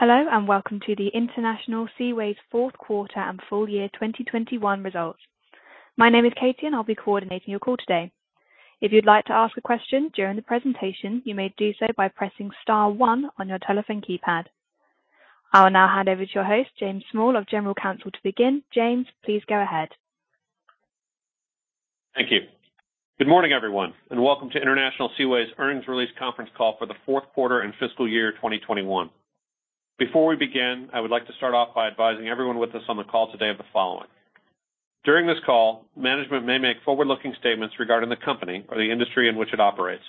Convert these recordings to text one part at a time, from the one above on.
Hello, and welcome to the International Seaways Fourth Quarter and Full Year 2021 results. My name is Katie, and I'll be coordinating your call today. If you'd like to ask a question during the presentation, you may do so by pressing star one on your telephone keypad. I will now hand over to your host, James Small, General Counsel, to begin. James, please go ahead. Thank you. Good morning, everyone, and welcome to International Seaways Earnings Release conference call for the Fourth Quarter and Fiscal Year 2021. Before we begin, I would like to start off by advising everyone with us on the call today of the following. During this call, management may make forward-looking statements regarding the company or the industry in which it operates.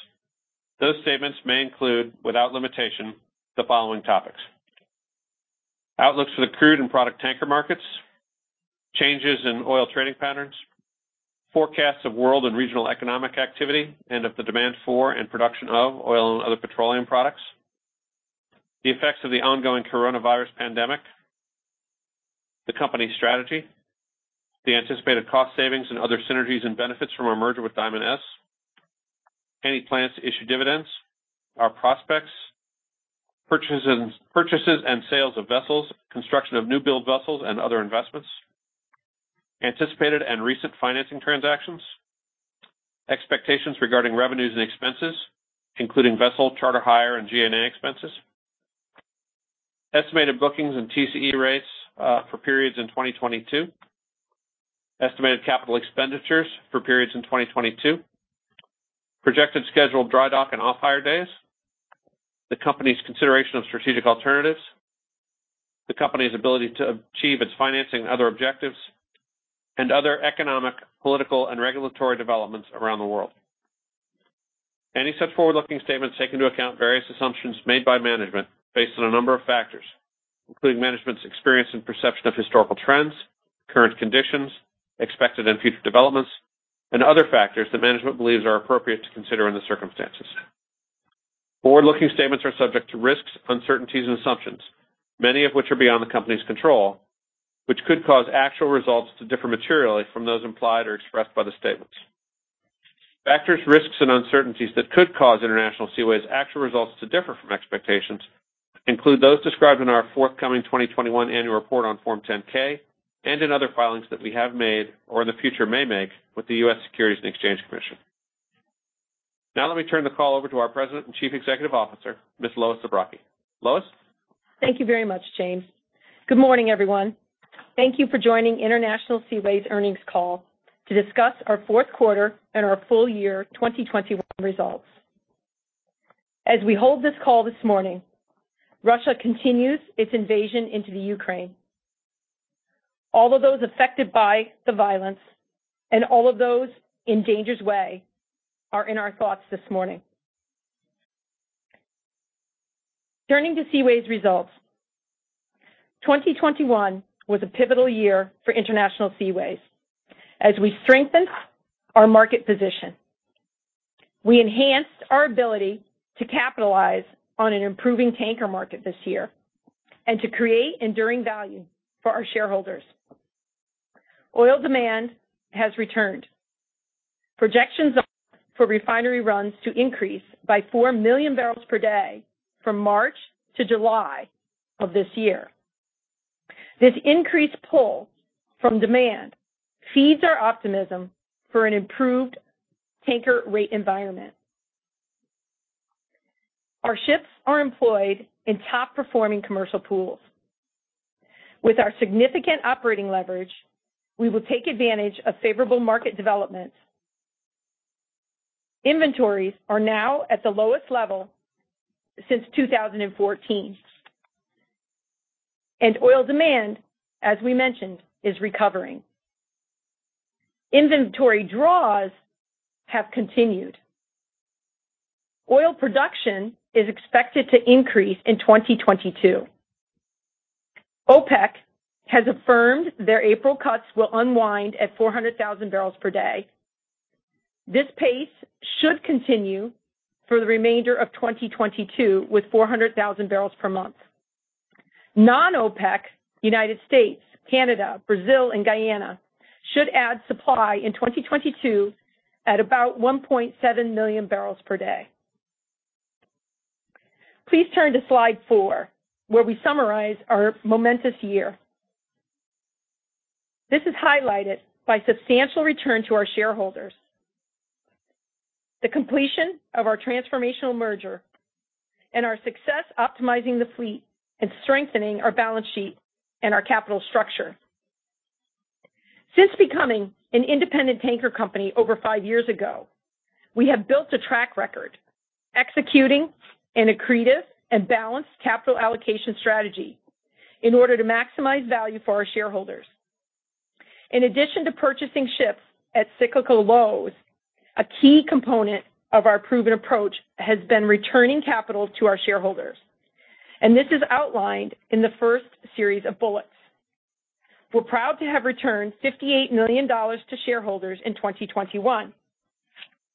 Those statements may include, without limitation, the following topics: outlooks for the crude and product tanker markets, changes in oil trading patterns, forecasts of world and regional economic activity, and of the demand for and production of oil and other petroleum products, the effects of the ongoing coronavirus pandemic, the company's strategy, the anticipated cost savings and other synergies and benefits from our merger with Diamond S. Any plans to issue dividends, our prospects, purchases and sales of vessels, construction of new build vessels and other investments, anticipated and recent financing transactions, expectations regarding revenues and expenses, including vessel charter hire and G&A expenses, estimated bookings and TCE rates, for periods in 2022, estimated capital expenditures for periods in 2022, projected scheduled dry dock and off-hire days, the company's consideration of strategic alternatives, the company's ability to achieve its financing and other objectives, and other economic, political, and regulatory developments around the world. Any such forward-looking statements take into account various assumptions made by management based on a number of factors, including management's experience and perception of historical trends, current conditions, expected and future developments, and other factors that management believes are appropriate to consider in the circumstances. Forward-looking statements are subject to risks, uncertainties and assumptions, many of which are beyond the company's control, which could cause actual results to differ materially from those implied or expressed by the statements. Factors, risks and uncertainties that could cause International Seaways actual results to differ from expectations include those described in our forthcoming 2021 annual report on Form 10-K and in other filings that we have made or in the future may make with the U.S. Securities and Exchange Commission. Now let me turn the call over to our President and Chief Executive Officer, Ms. Lois Zabrocky. Lois. Thank you very much, James. Good morning, everyone. Thank you for joining International Seaways earnings call to discuss our fourth quarter and our full year 2021 results. As we hold this call this morning, Russia continues its invasion into the Ukraine. All of those affected by the violence and all of those in danger's way are in our thoughts this morning. Turning to Seaways results. 2021 was a pivotal year for International Seaways as we strengthened our market position. We enhanced our ability to capitalize on an improving tanker market this year and to create enduring value for our shareholders. Oil demand has returned. Projections are for refinery runs to increase by 4 million barrels per day from March to July of this year. This increased pull from demand feeds our optimism for an improved tanker rate environment. Our ships are employed in top-performing commercial pools. With our significant operating leverage, we will take advantage of favorable market developments. Inventories are now at the lowest level since 2014. Oil demand, as we mentioned, is recovering. Inventory draws have continued. Oil production is expected to increase in 2022. OPEC has affirmed their April cuts will unwind at 400,000 barrels per day. This pace should continue for the remainder of 2022, with 400,000 barrels per month. Non-OPEC, United States, Canada, Brazil and Guyana should add supply in 2022 at about 1.7 million barrels per day. Please turn to slide four, where we summarize our momentous year. This is highlighted by substantial return to our shareholders, the completion of our transformational merger, and our success optimizing the fleet and strengthening our balance sheet and our capital structure. Since becoming an independent tanker company over five years ago, we have built a track record executing an accretive and balanced capital allocation strategy in order to maximize value for our shareholders. In addition to purchasing ships at cyclical lows, a key component of our proven approach has been returning capital to our shareholders, and this is outlined in the first series of bullets. We're proud to have returned $58 million to shareholders in 2021.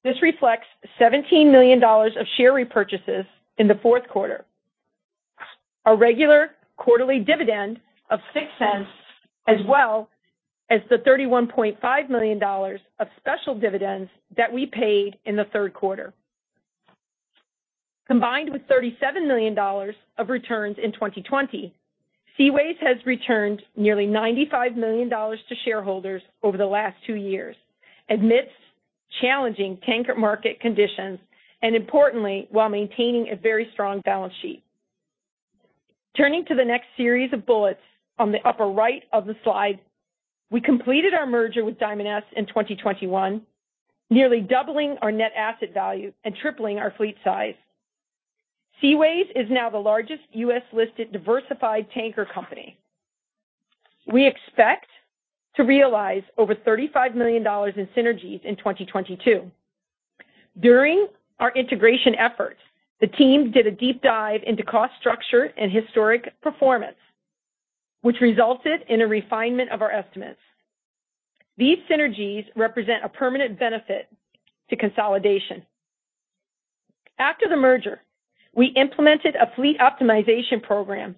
This reflects $17 million of share repurchases in the fourth quarter. A regular quarterly dividend of $0.06 as well as the $31.5 million of special dividends that we paid in the third quarter. Combined with $37 million of returns in 2020, Seaways has returned nearly $95 million to shareholders over the last two years amidst challenging tanker market conditions, and importantly, while maintaining a very strong balance sheet. Turning to the next series of bullets on the upper right of the slide, we completed our merger with Diamond S in 2021, nearly doubling our net asset value and tripling our fleet size. Seaways is now the largest U.S.-listed diversified tanker company. We expect to realize over $35 million in synergies in 2022. During our integration efforts, the teams did a deep dive into cost structure and historic performance, which resulted in a refinement of our estimates. These synergies represent a permanent benefit to consolidation. After the merger, we implemented a fleet optimization program.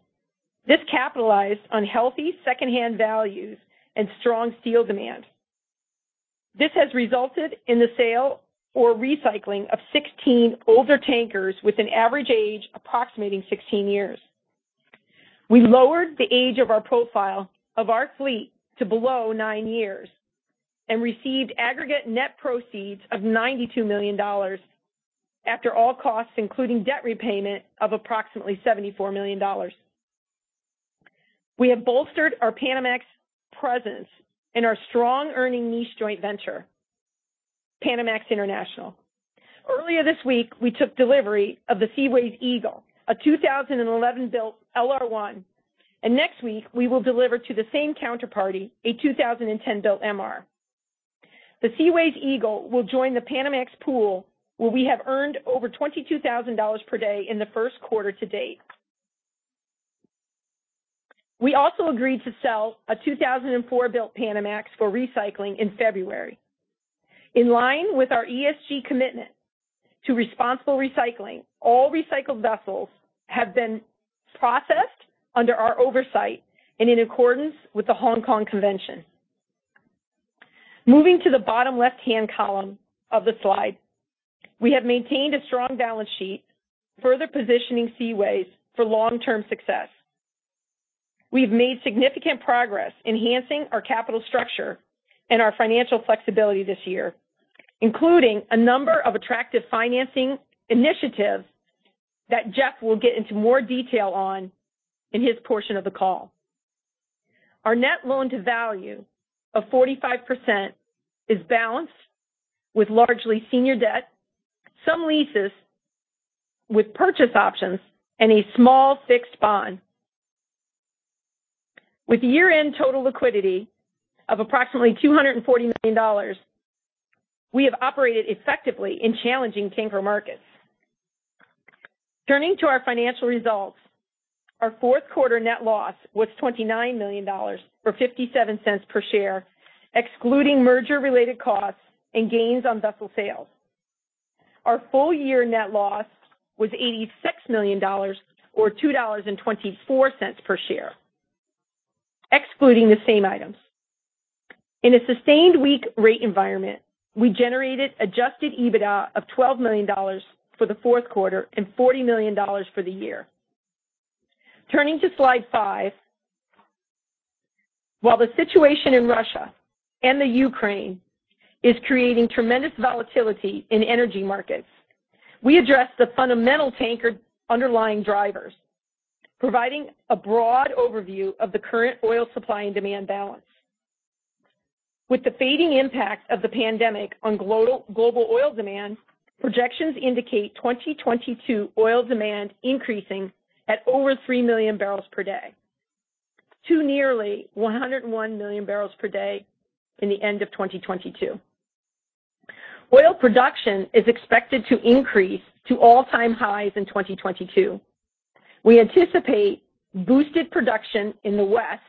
This capitalized on healthy secondhand values and strong steel demand. This has resulted in the sale or recycling of 16 older tankers with an average age approximating 16 years. We lowered the age of our profile of our fleet to below nine years and received aggregate net proceeds of $92 million after all costs, including debt repayment of approximately $74 million. We have bolstered our Panamax presence in our strong earning niche joint venture, Panamax International. Earlier this week, we took delivery of the Seaways Eagle, a 2011-built LR1, and next week we will deliver to the same counterparty a 2010-built MR. The Seaways Eagle will join the Panamax pool, where we have earned over $22,000 per day in the first quarter to date. We also agreed to sell a 2004-built Panamax for recycling in February. In line with our ESG commitment to responsible recycling, all recycled vessels have been processed under our oversight and in accordance with the Hong Kong Convention. Moving to the bottom left-hand column of the slide, we have maintained a strong balance sheet, further positioning Seaways for long-term success. We've made significant progress enhancing our capital structure and our financial flexibility this year, including a number of attractive financing initiatives that Jeff will get into more detail on in his portion of the call. Our net loan to value of 45% is balanced with largely senior debt, some leases with purchase options, and a small fixed bond. With year-end total liquidity of approximately $240 million, we have operated effectively in challenging tanker markets. Turning to our financial results, our fourth quarter net loss was $29 million, or $0.57 per share, excluding merger-related costs and gains on vessel sales. Our full-year net loss was $86 million or $2.24 per share, excluding the same items. In a sustained weak rate environment, we generated adjusted EBITDA of $12 million for the fourth quarter and $40 million for the year. Turning to slide five. While the situation in Russia and the Ukraine is creating tremendous volatility in energy markets, we address the fundamental tanker underlying drivers, providing a broad overview of the current oil supply and demand balance. With the fading impact of the pandemic on global oil demand, projections indicate 2022 oil demand increasing at over 3 million barrels per day to nearly 101 million barrels per day in the end of 2022. Oil production is expected to increase to all-time highs in 2022. We anticipate boosted production in the West,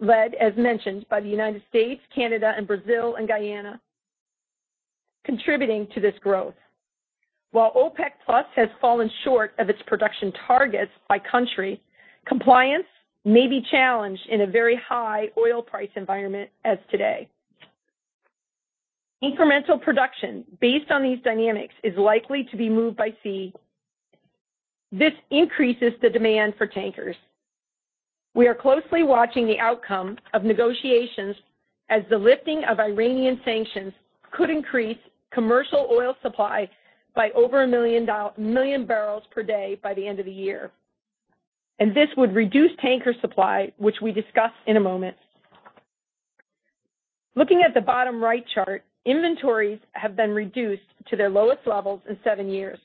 led, as mentioned, by the United States, Canada, Brazil and Guyana, contributing to this growth. While OPEC+ has fallen short of its production targets by country, compliance may be challenged in a very high oil price environment as today. Incremental production based on these dynamics is likely to be moved by sea. This increases the demand for tankers. We are closely watching the outcome of negotiations as the lifting of Iranian sanctions could increase commercial oil supply by over million barrels per day by the end of the year, and this would reduce tanker supply, which we discuss in a moment. Looking at the bottom right chart, inventories have been reduced to their lowest levels in seven years,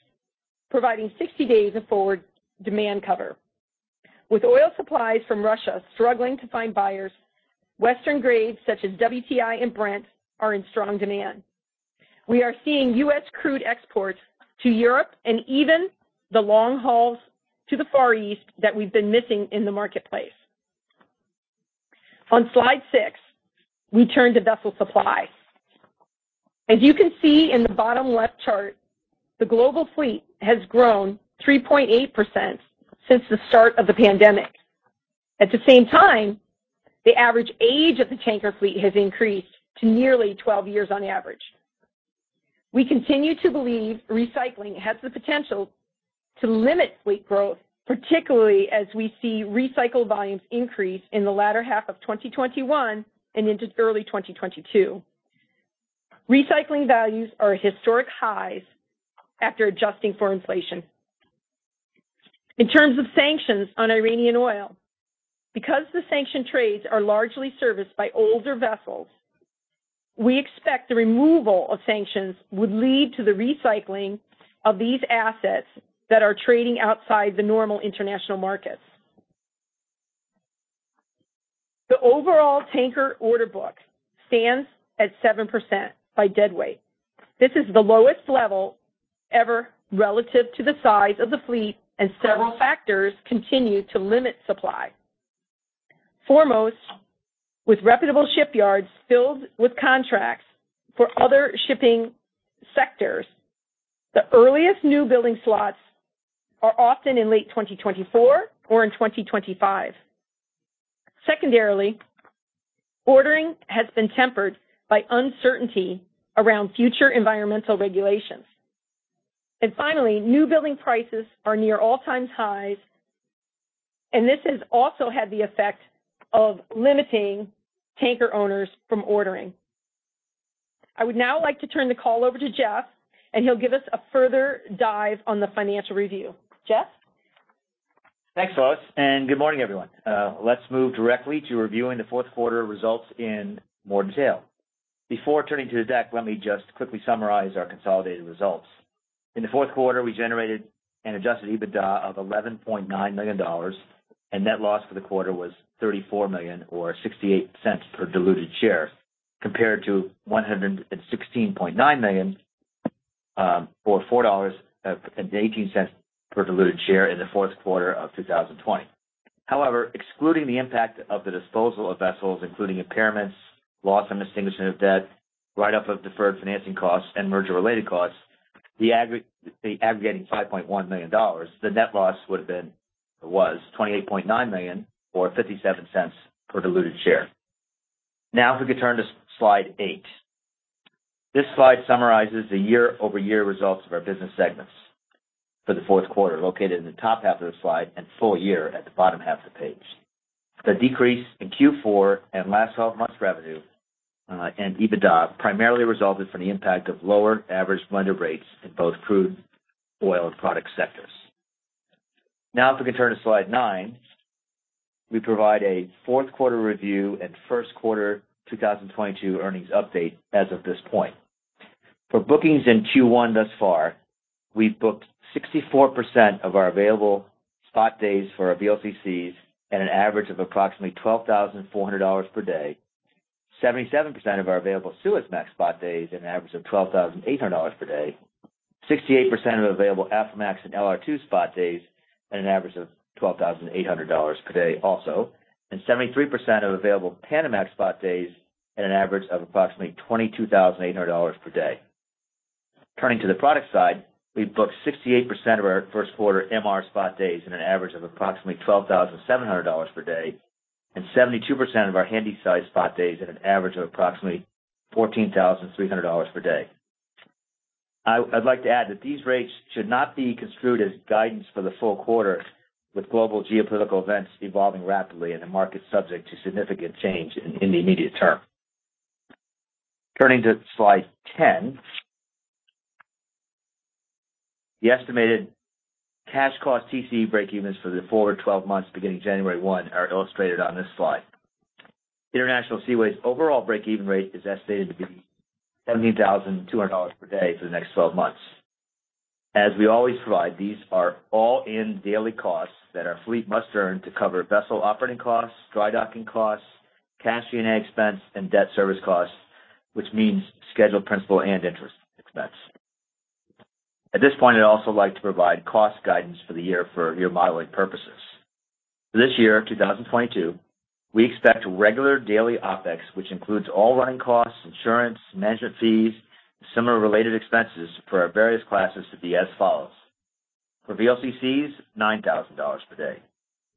providing 60 days of forward demand cover. With oil supplies from Russia struggling to find buyers, Western grades such as WTI and Brent are in strong demand. We are seeing U.S. crude exports to Europe and even the long hauls to the Far East that we've been missing in the marketplace. On slide six, we turn to vessel supply. As you can see in the bottom left chart, the global fleet has grown 3.8% since the start of the pandemic. At the same time, the average age of the tanker fleet has increased to nearly 12 years on average. We continue to believe recycling has the potential to limit fleet growth, particularly as we see recycled volumes increase in the latter half of 2021 and into early 2022. Recycling values are at historic highs after adjusting for inflation. In terms of sanctions on Iranian oil, because the sanction trades are largely serviced by older vessels, we expect the removal of sanctions would lead to the recycling of these assets that are trading outside the normal international markets. The overall tanker order book stands at 7% by deadweight. This is the lowest level ever relative to the size of the fleet, and several factors continue to limit supply. Foremost, with reputable shipyards filled with contracts for other shipping sectors, the earliest newbuilding slots are often in late 2024 or in 2025. Secondarily, ordering has been tempered by uncertainty around future environmental regulations. Finally, newbuilding prices are near all-time highs, and this has also had the effect of limiting tanker owners from ordering. I would now like to turn the call over to Jeff, and he'll give us a further dive on the financial review. Jeff? Thanks, Lois, and good morning, everyone. Let's move directly to reviewing the fourth quarter results in more detail. Before turning to the deck, let me just quickly summarize our consolidated results. In the fourth quarter, we generated an adjusted EBITDA of $11.9 million, and net loss for the quarter was $34 million or $0.68 Per diluted share, compared to $116.9 million or $4.18 per diluted share in the fourth quarter of 2020. However, excluding the impact of the disposal of vessels, including impairments, loss and extinguishment of debt, write off of deferred financing costs, and merger-related costs, the aggregating $5.1 million, the net loss would have been $28.9 million or $0.57 per diluted share. Now if we could turn to slide eight. This slide summarizes the year-over-year results of our business segments for the fourth quarter, located in the top half of the slide and full year at the bottom half of the page. The decrease in Q4 and last twelve months revenue and EBITDA primarily resulted from the impact of lower average blended rates in both crude oil and product sectors. Now if we could turn to slide nine, we provide a fourth quarter review and first quarter 2022 earnings update as of this point. For bookings in Q1 thus far, we've booked 64% of our available spot days for our VLCCs at an average of approximately $12,400 per day. 77% of our available Suezmax spot days at an average of $12,800 per day. 68% of available Aframax LR2 spot days at an average of $12,800 per day also. 73% of available Panamax spot days at an average of approximately $22,800 per day. Turning to the product side, we've booked 68% of our first quarter MR spot days at an average of approximately $12,700 per day, and 72% of our handysize spot days at an average of approximately $14,300 per day. I'd like to add that these rates should not be construed as guidance for the full quarter with global geopolitical events evolving rapidly and the market subject to significant change in the immediate term. Turning to slide 10. The estimated cash cost TC breakevens for the forward 12 months beginning January 1 are illustrated on this slide. International Seaways' overall break-even rate is estimated to be $17,200 per day for the next 12 months. As we always provide, these are all in daily costs that our fleet must earn to cover vessel operating costs, dry docking costs, cash G&A expense, and debt service costs, which means scheduled principal and interest expense. At this point, I'd also like to provide cost guidance for the year for your modeling purposes. For this year, 2022, we expect regular daily OpEx, which includes all running costs, insurance, management fees, and similar related expenses for our various classes to be as follows. For VLCCs, $9,000 per day.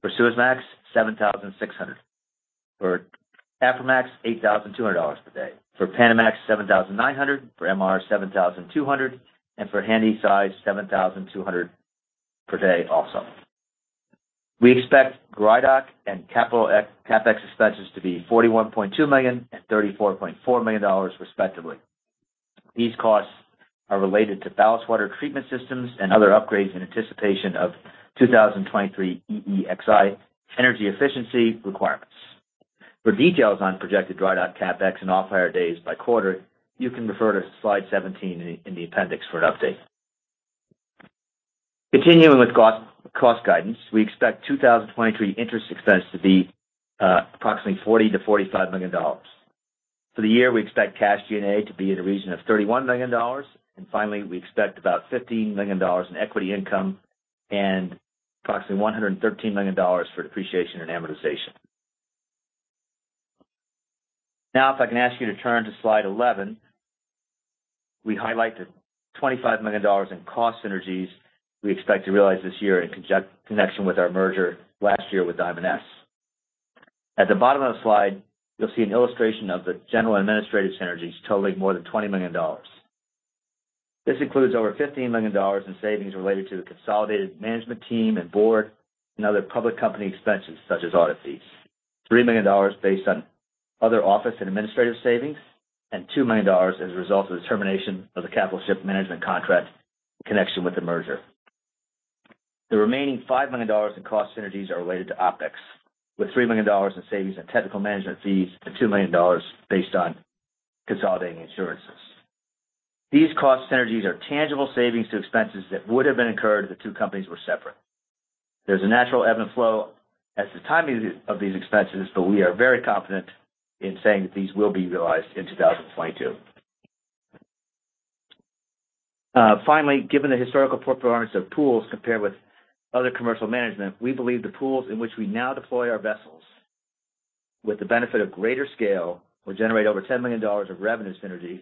For Suezmax, $7,600. For Aframax, $8,200 per day. For Panamax, $7,900. For MR, $7,200. For Handysize, $7,200 per day also. We expect dry dock and CapEx expenses to be $41.2 million and $34.4 million, respectively. These costs are related to ballast water treatment systems and other upgrades in anticipation of 2023 EEXI energy efficiency requirements. For details on projected dry dock CapEx and off-hire days by quarter, you can refer to slide 17 in the appendix for an update. Continuing with cost guidance, we expect 2023 interest expense to be approximately $40 million-$45 million. For the year, we expect cash G&A to be in the region of $31 million. Finally, we expect about $15 million in equity income and approximately $113 million for depreciation and amortization. Now, if I can ask you to turn to slide 11. We highlight the $25 million in cost synergies we expect to realize this year in connection with our merger last year with Diamond S. At the bottom of the slide, you'll see an illustration of the general administrative synergies totaling more than $20 million. This includes over $15 million in savings related to the consolidated management team and board and other public company expenses such as audit fees, $3 million based on other office and administrative savings, and $2 million as a result of the termination of the Capital Ship Management contract in connection with the merger. The remaining $5 million in cost synergies are related to OpEx, with $3 million in savings and technical management fees, and $2 million based on consolidating insurances. These cost synergies are tangible savings to expenses that would have been incurred if the two companies were separate. There's a natural ebb and flow as the timing of these expenses, but we are very confident in saying that these will be realized in 2022. Finally, given the historical performance of pools compared with other commercial management, we believe the pools in which we now deploy our vessels with the benefit of greater scale, will generate over $10 million of revenue synergy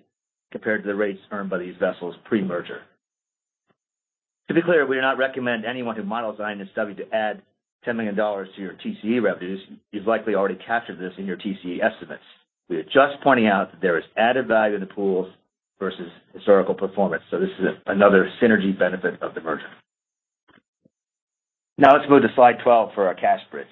compared to the rates earned by these vessels pre-merger. To be clear, we do not recommend anyone who models Diamond S to add $10 million to your TCE revenues. You've likely already captured this in your TCE estimates. We are just pointing out that there is added value to the pools versus historical performance. This is another synergy benefit of the merger. Now let's move to slide 12 for our cash bridge.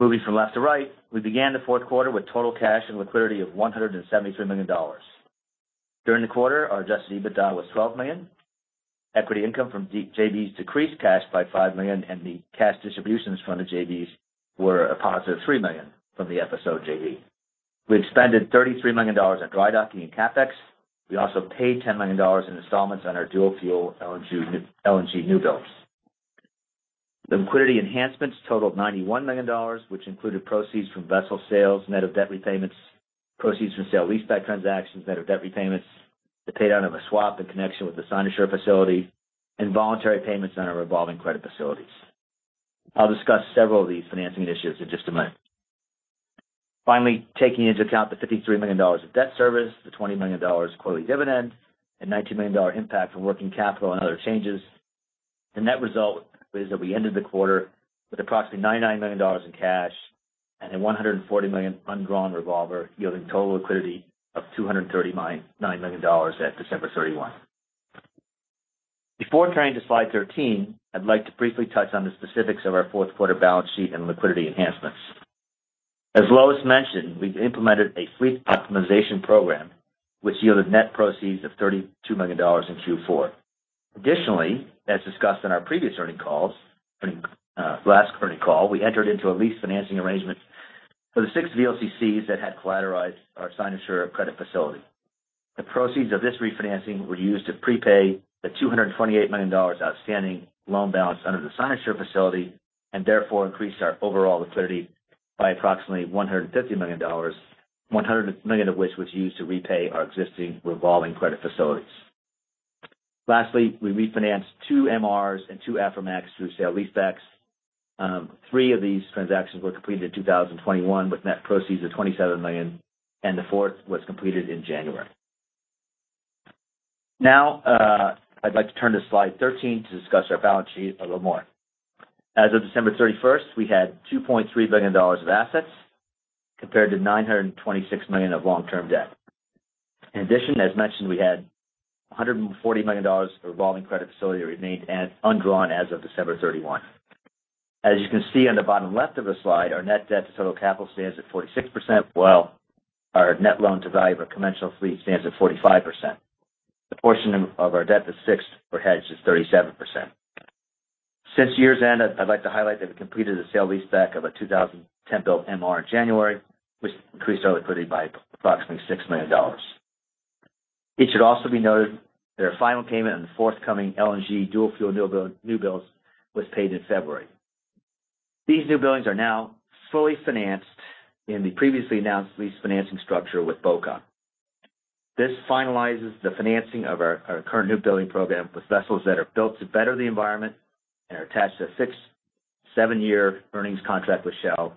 Moving from left to right, we began the fourth quarter with total cash and liquidity of $173 million. During the quarter, our adjusted EBITDA was $12 million. Equity income from the JVs decreased cash by $5 million, and the cash distributions from the JVs were a positive $3 million from the FSO JV. We expended $33 million on dry docking and CapEx. We also paid $10 million in installments on our dual fuel LNG newbuilds. The liquidity enhancements totaled $91 million, which included proceeds from vessel sales net of debt repayments, proceeds from sale leaseback transactions net of debt repayments, the pay down of a swap in connection with the Sinosure facility, and voluntary payments on our revolving credit facilities. I'll discuss several of these financing initiatives in just a moment. Finally, taking into account the $53 million of debt service, the $20 million quarterly dividend, and $19 million dollar impact from working capital and other changes, the net result is that we ended the quarter with approximately $99 million in cash and a $140 million undrawn revolver yielding total liquidity of $239 million at December 31. Before turning to slide 13, I'd like to briefly touch on the specifics of our fourth quarter balance sheet and liquidity enhancements. As Lois mentioned, we've implemented a fleet optimization program which yielded net proceeds of $32 million in Q4. Additionally, as discussed in our previous earnings calls, last earnings call, we entered into a lease financing arrangement for the six VLCCs that had collateralized our Sinosure credit facility. The proceeds of this refinancing were used to prepay the $228 million outstanding loan balance under the Sinosure facility and therefore increased our overall liquidity by approximately $150 million, $100 million of which was used to repay our existing revolving credit facilities. Lastly, we refinanced two MRs and two Aframax through sale leasebacks. Three of these transactions were completed in 2021, with net proceeds of $27 million, and the fourth was completed in January. Now, I'd like to turn to slide 13 to discuss our balance sheet a little more. As of December 31, we had $2.3 billion of assets compared to $926 million of long-term debt. In addition, as mentioned, we had $140 million of revolving credit facility remained undrawn as of December 31. As you can see on the bottom left of the slide, our net debt to total capital stands at 46%, while our net loan to value of our conventional fleet stands at 45%. The portion of our debt that's fixed or hedged is 37%. Since year's end, I'd like to highlight that we completed a sale leaseback of a 2010-built MR in January, which increased our liquidity by approximately $6 million. It should also be noted that our final payment on the forthcoming LNG dual fuel newbuilds was paid in February. These newbuildings are now fully financed in the previously announced lease financing structure with BoComm. This finalizes the financing of our current newbuilding program with vessels that are built to better the environment and are attached to 6, 7-year earnings contract with Shell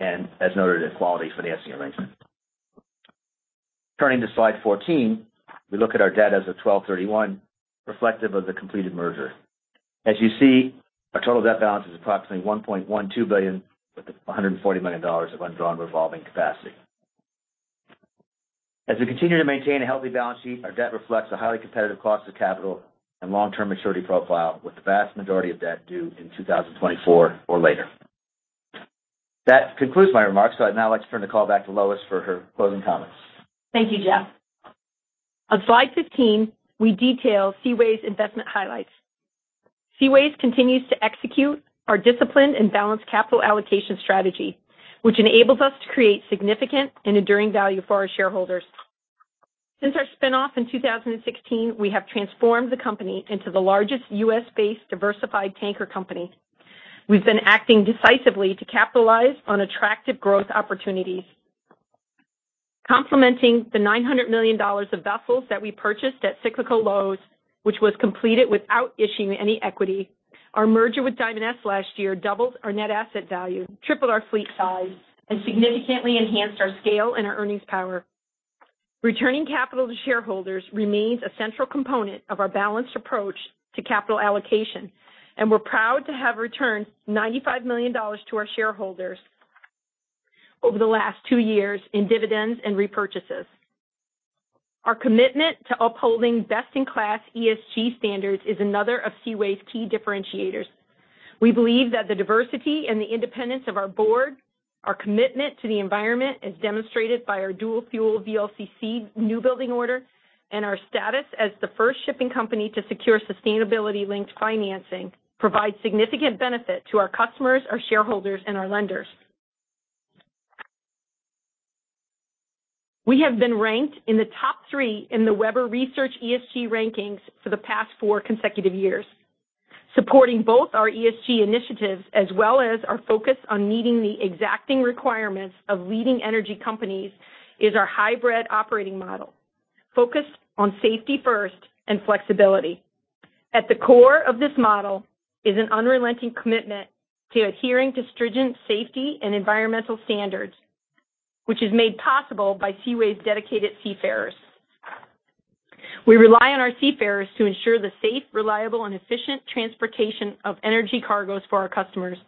and as noted, a quality financing arrangement. Turning to slide 14, we look at our debt as of 12/31, reflective of the completed merger. As you see, our total debt balance is approximately $1.12 billion, with $140 million of undrawn revolving capacity. As we continue to maintain a healthy balance sheet, our debt reflects the highly competitive cost of capital and long-term maturity profile, with the vast majority of debt due in 2024 or later. That concludes my remarks. I'd now like to turn the call back to Lois for her closing comments. Thank you, Jeff. On slide 15, we detail Seaways' investment highlights. Seaways continues to execute our disciplined and balanced capital allocation strategy, which enables us to create significant and enduring value for our shareholders. Since our spin-off in 2016, we have transformed the company into the largest U.S.-based diversified tanker company. We've been acting decisively to capitalize on attractive growth opportunities. Complementing the $900 million of vessels that we purchased at cyclical lows, which was completed without issuing any equity. Our merger with Diamond S last year doubled our net asset value, tripled our fleet size, and significantly enhanced our scale and our earnings power. Returning capital to shareholders remains a central component of our balanced approach to capital allocation, and we're proud to have returned $95 million to our shareholders over the last two years in dividends and repurchases. Our commitment to upholding best-in-class ESG standards is another of Seaways' key differentiators. We believe that the diversity and the independence of our board, our commitment to the environment, as demonstrated by our dual-fuel VLCC new building order, and our status as the first shipping company to secure sustainability-linked financing, provides significant benefit to our customers, our shareholders, and our lenders. We have been ranked in the top three in the Webber Research ESG rankings for the past four consecutive years. Supporting both our ESG initiatives as well as our focus on meeting the exacting requirements of leading energy companies is our hybrid operating model, focused on safety first and flexibility. At the core of this model is an unrelenting commitment to adhering to stringent safety and environmental standards, which is made possible by Seaways' dedicated seafarers. We rely on our seafarers to ensure the safe, reliable, and efficient transportation of energy cargoes for our customers.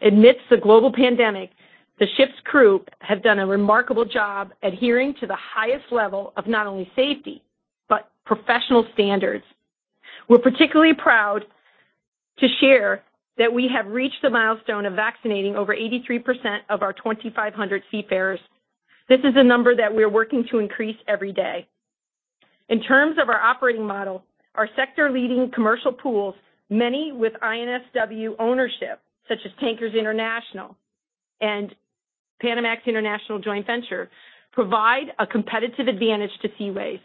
Amidst the global pandemic, the ship's crew have done a remarkable job adhering to the highest level of not only safety but professional standards. We're particularly proud to share that we have reached the milestone of vaccinating over 83% of our 2,500 seafarers. This is a number that we are working to increase every day. In terms of our operating model, our sector-leading commercial pools, many with INSW ownership such as Tankers International and Panamax International Joint Venture, provide a competitive advantage to Seaways.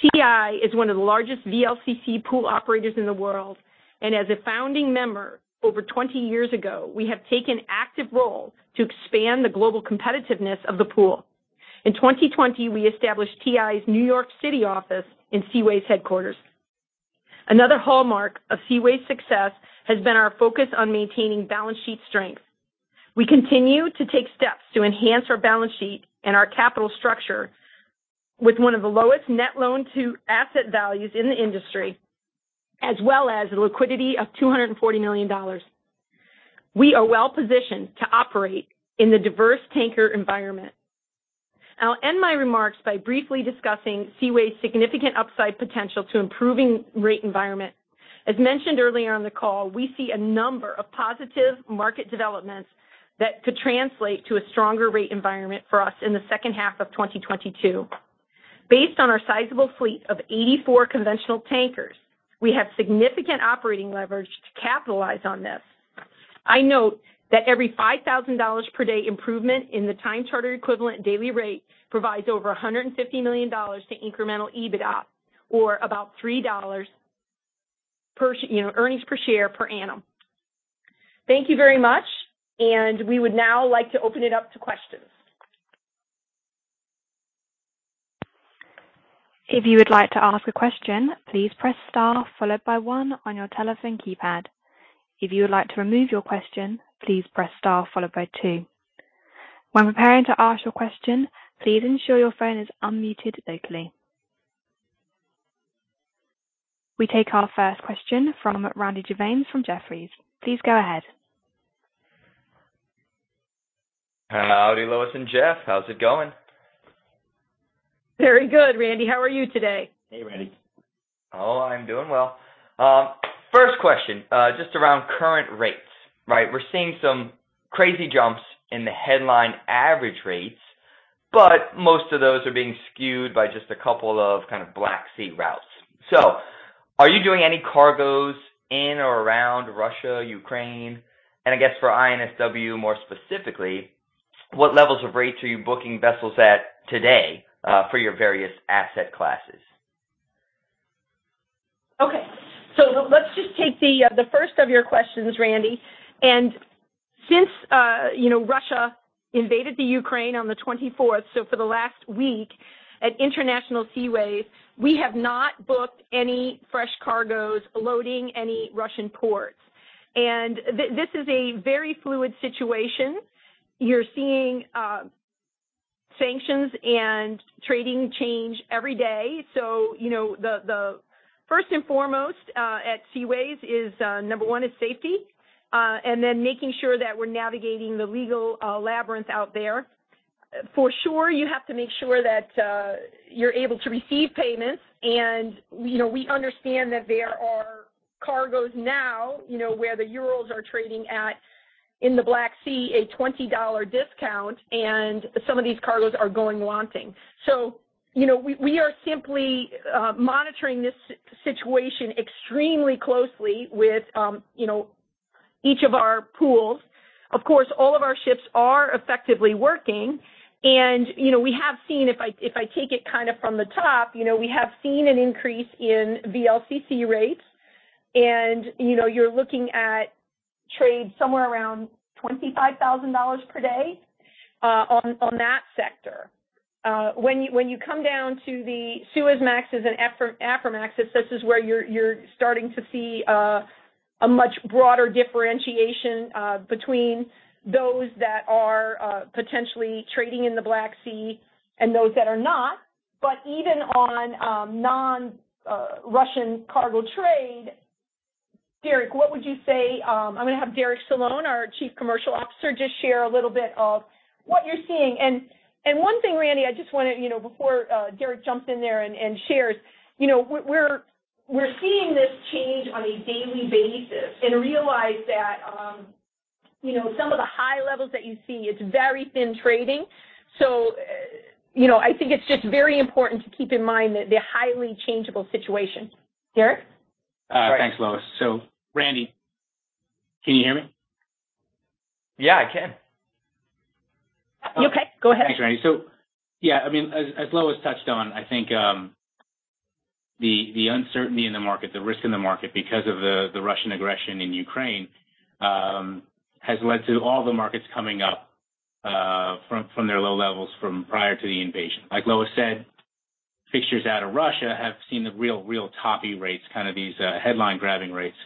TI is one of the largest VLCC pool operators in the world, and as a founding member over 20 years ago, we have taken active role to expand the global competitiveness of the pool. In 2020, we established TI's New York City office in Seaways' headquarters. Another hallmark of Seaways' success has been our focus on maintaining balance sheet strength. We continue to take steps to enhance our balance sheet and our capital structure with one of the lowest net loan to asset values in the industry, as well as liquidity of $240 million. We are well-positioned to operate in the diverse tanker environment. I'll end my remarks by briefly discussing Seaways' significant upside potential to improving rate environment. As mentioned earlier on the call, we see a number of positive market developments that could translate to a stronger rate environment for us in the second half of 2022. Based on our sizable fleet of 84 conventional tankers, we have significant operating leverage to capitalize on this. I note that every $5,000 per day improvement in the time charter equivalent daily rate provides over $150 million to incremental EBITDA or about $3 per, you know, earnings per share per annum. Thank you very much, and we would now like to open it up to questions. We take our first question from Randy Giveans from Jefferies. Please go ahead. Howdy, Lois and Jeff, how's it going? Very good, Randy. How are you today? Hey, Randy. Oh, I'm doing well. First question, just around current rates, right? We're seeing some crazy jumps in the headline average rates, but most of those are being skewed by just a couple of kind of Black Sea routes. Are you doing any cargoes in or around Russia, Ukraine? I guess for INSW, more specifically, what levels of rates are you booking vessels at today, for your various asset classes? Okay. Let's just take the first of your questions, Randy. Since you know, Russia invaded the Ukraine on the 24th, so for the last week, at International Seaways, we have not booked any fresh cargoes loading any Russian ports. This is a very fluid situation. You're seeing sanctions and trading change every day. You know, the first and foremost at Seaways is number one is safety and then making sure that we're navigating the legal labyrinth out there. For sure, you have to make sure that you're able to receive payments. You know, we understand that there are cargoes now, you know, where the Urals are trading at, in the Black Sea, a $20 discount, and some of these cargoes are going wanting. We are simply monitoring this situation extremely closely with each of our pools. Of course, all of our ships are effectively working. We have seen, if I take it kind of from the top, an increase in VLCC rates and you're looking at trade somewhere around $25,000 per day on that sector. When you come down to the Suezmaxes and Aframaxes, this is where you're starting to see a much broader differentiation between those that are potentially trading in the Black Sea and those that are not. But even on non-Russian cargo trade, Derek, what would you say. I'm gonna have Derek Solon, our Chief Commercial Officer, just share a little bit of what you're seeing. One thing, Randy, I just wanna, you know, before Derek jumps in there and shares, you know, we're seeing this change on a daily basis. Realize that, you know, some of the high levels that you see, it's very thin trading. You know, I think it's just very important to keep in mind that they're highly changeable situations. Derek? Thanks, Lois. Randy, can you hear me? Yeah, I can. Okay, go ahead. Thanks, Randy. Yeah, I mean, as Lois touched on, I think the uncertainty in the market, the risk in the market because of the Russian aggression in Ukraine, has led to all the markets coming up from their low levels from prior to the invasion. Like Lois said, fixtures out of Russia have seen the real toppy rates, kind of these headline-grabbing rates.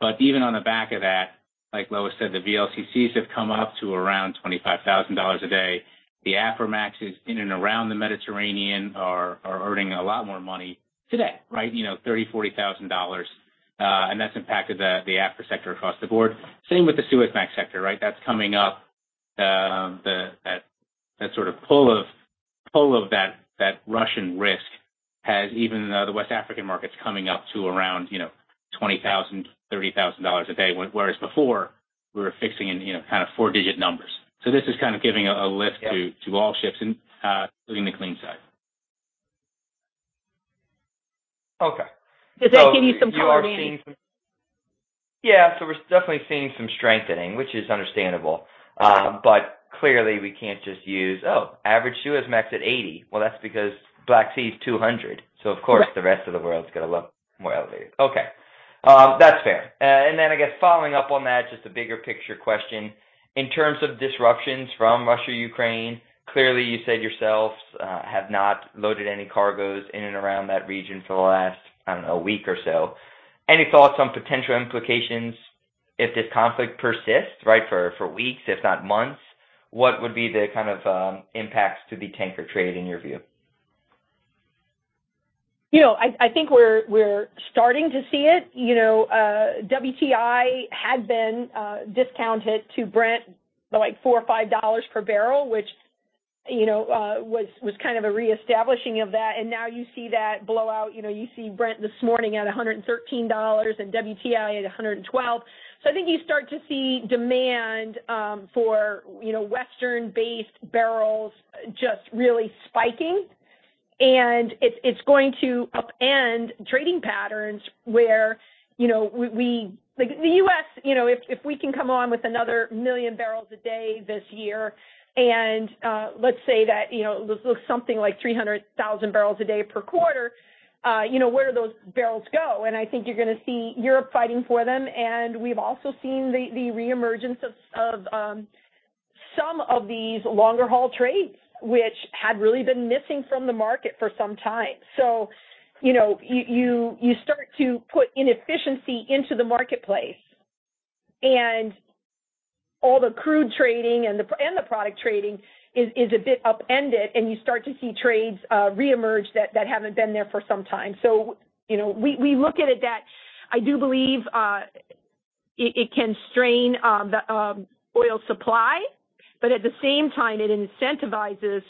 But even on the back of that, like Lois said, the VLCCs have come up to around $25,000 a day. The Aframaxes in and around the Mediterranean are earning a lot more money today, right? You know, $30,000-$40,000. That's impacted the Aframax sector across the board. Same with the Suezmax sector, right? That's coming up. That sort of pull of that Russian risk has even the West African markets coming up to around, you know, $20,000-$30,000 a day, whereas before we were fixing in, you know, kind of four-digit numbers. This is kind of giving a lift— Yeah. To all ships, including the clean side. Okay. Does that give you some color, Randy? We're definitely seeing some strengthening, which is understandable. Clearly we can't just use, "Oh, average Suezmax at $80." Well, that's because Black Sea is $200. Right. Of course, the rest of the world's gonna look more elevated. Okay. That's fair. I guess following up on that, just a bigger picture question. In terms of disruptions from Russia, Ukraine, clearly you said yourselves have not loaded any cargoes in and around that region for the last, I don't know, a week or so. Any thoughts on potential implications if this conflict persists, right, for weeks, if not months? What would be the kind of impacts to the tanker trade in your view? You know, I think we're starting to see it. You know, WTI had been discounted to Brent by like $4 or $5 per barrel, which you know was kind of a reestablishing of that. Now you see that blow out. You know, you see Brent this morning at $113 and WTI at $112. I think you start to see demand for you know Western-based barrels just really spiking. It's going to upend trading patterns where you know Like the U.S. you know if we can come on with another 1 million barrels a day this year and let's say that you know this looks something like 300,000 barrels a day per quarter you know where do those barrels go? I think you're gonna see Europe fighting for them, and we've also seen the re-emergence of some of these longer haul trades which had really been missing from the market for some time. You know, you start to put inefficiency into the marketplace. All the crude trading and the product trading is a bit upended, and you start to see trades re-emerge that haven't been there for some time. You know, we look at it that I do believe it can strain the oil supply. At the same time, it incentivizes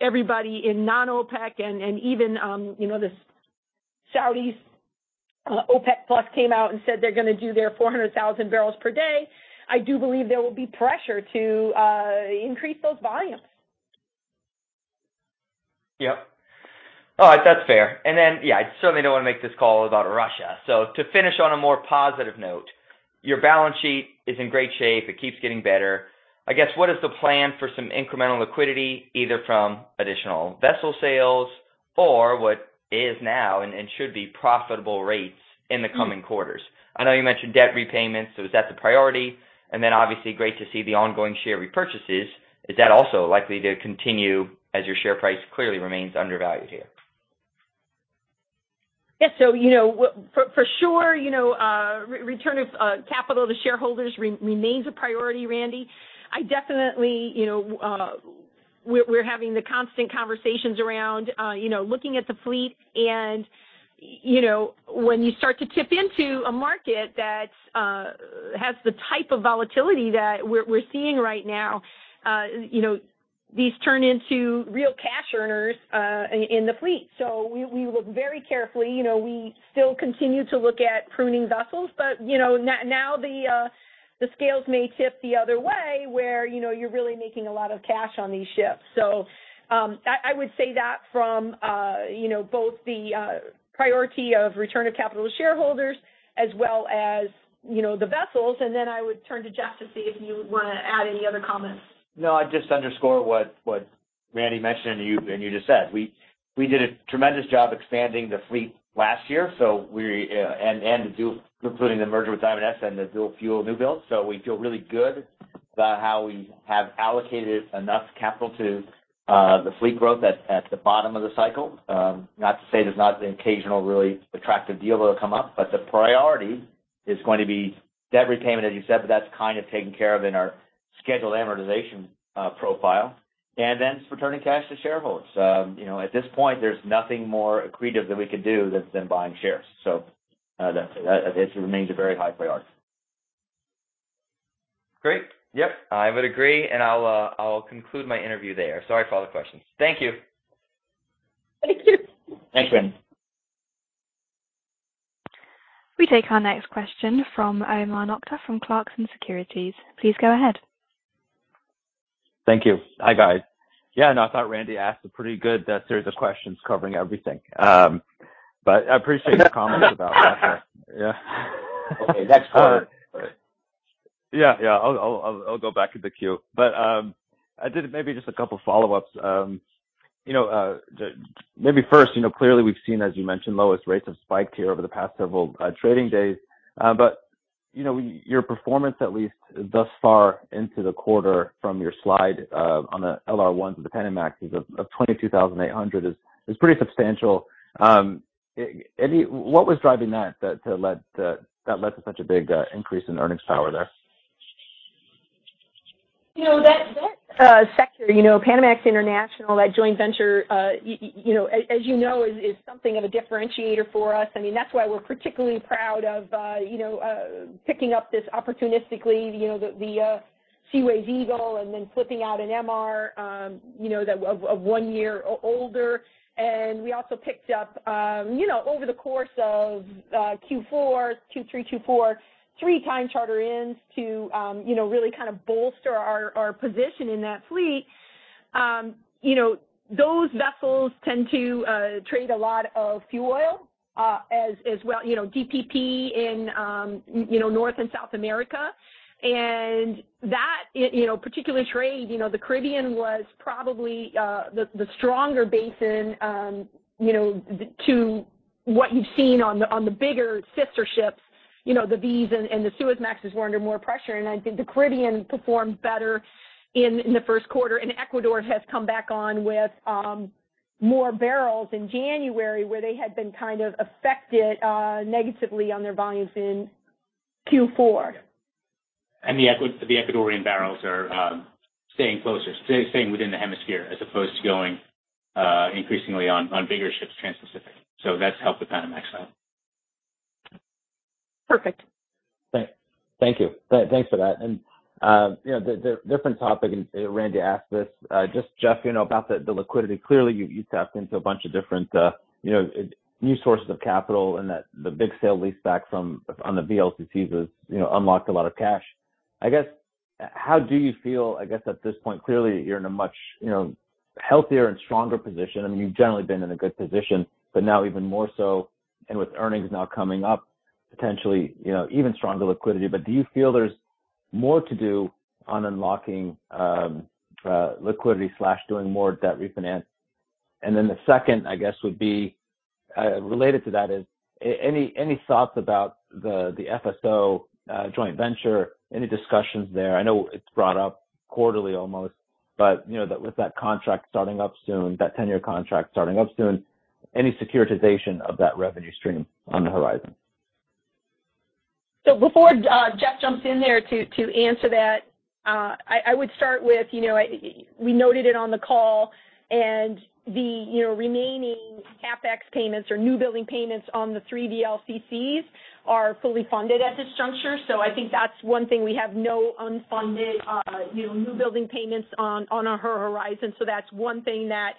everybody in non-OPEC and even you know, the Saudis. OPEC+ came out and said they're gonna do their 400,000 barrels per day. I do believe there will be pressure to increase those volumes. Yep. All right. That's fair. Then, yeah, I certainly don't wanna make this call about Russia. To finish on a more positive note, your balance sheet is in great shape. It keeps getting better. I guess, what is the plan for some incremental liquidity, either from additional vessel sales or what is now and should be profitable rates in the coming quarters? I know you mentioned debt repayments, is that the priority? Then obviously great to see the ongoing share repurchases. Is that also likely to continue as your share price clearly remains undervalued here? Yeah. For sure, you know, return of capital to shareholders remains a priority, Randy. I definitely, you know, we're having the constant conversations around, you know, looking at the fleet. You know, when you start to tip into a market that has the type of volatility that we're seeing right now, you know, these turn into real cash earners in the fleet. We look very carefully. You know, we still continue to look at pruning vessels. Now the scales may tip the other way, where, you know, you're really making a lot of cash on these ships. I would say that from, you know, both the priority of return of capital to shareholders as well as, you know, the vessels. I would turn to Jeff to see if you would wanna add any other comments. No, I'd just underscore what. Randy mentioned and you just said we did a tremendous job expanding the fleet last year, including the merger with Diamond S and the dual fuel newbuild. We feel really good about how we have allocated enough capital to the fleet growth at the bottom of the cycle. Not to say there's not the occasional really attractive deal that'll come up, but the priority is going to be debt repayment, as you said. That's kind of taken care of in our scheduled amortization profile. Returning cash to shareholders. You know, at this point, there's nothing more accretive that we could do than buying shares. That's it. It remains a very high priority. Great. Yep, I would agree, and I'll conclude my interview there. Sorry for all the questions. Thank you. Thank you. Thanks, Randy. We take our next question from Omar Nokta from Clarksons Securities. Please go ahead. Thank you. Hi, guys. Yeah, no, I thought Randy asked a pretty good series of questions covering everything. I appreciate the comments about that part. Yeah. Okay, next. Yeah, yeah. I'll go back to the queue. I did maybe just a couple follow-ups. Maybe first, you know, clearly we've seen, as you mentioned, Lois, rates have spiked here over the past several trading days. You know, your performance, at least thus far into the quarter from your slide, on the LR1 to the Panamax is of 22,800 is pretty substantial. I mean, what was driving that that led to such a big increase in earnings power there? You know, that sector, you know, Panamax International, that joint venture, you know, as you know, is something of a differentiator for us. I mean, that's why we're particularly proud of, you know, picking this up opportunistically, you know, the Seaways Eagle and then flipping out an MR, you know, that of one year older. We also picked up, you know, over the course of Q3, Q4, three time charter-ins to, you know, really kind of bolster our position in that fleet. You know, those vessels tend to trade a lot of fuel oil, as well, you know, DPP in North and South America. That particular trade, you know, the Caribbean was probably the stronger basin to what you've seen on the bigger sister ships. You know, the V's and the Suezmaxes were under more pressure, and I think the Caribbean performed better in the first quarter. Ecuador has come back on with more barrels in January, where they had been kind of affected negatively on their volumes in Q4. The Ecuadorian barrels are staying closer, staying within the hemisphere as opposed to going increasingly on bigger ships trans-Pacific. That's helped with Panamax. Perfect. Thanks for that. You know the different topic, and Randy asked this, just Jeff, you know, about the liquidity. Clearly you tapped into a bunch of different, you know, new sources of capital and that the big sale leaseback from on the VLCCs has, you know, unlocked a lot of cash. I guess, how do you feel, I guess, at this point? Clearly you're in a much, you know, healthier and stronger position, and you've generally been in a good position, but now even more so, and with earnings now coming up, potentially, you know, even stronger liquidity. Do you feel there's more to do on unlocking liquidity slash doing more debt refinance? The second, I guess, would be related to that is any thoughts about the FSO joint venture? Any discussions there? I know it's brought up quarterly almost, but, you know, with that contract starting up soon, that 10-year contract starting up soon, any securitization of that revenue stream on the horizon? Before Jeff jumps in there to answer that, I would start with, you know, we noted it on the call and the, you know, remaining CapEx payments or new building payments on the three VLCCs are fully funded at this juncture. I think that's one thing. We have no unfunded new building payments on our horizon. That's one thing that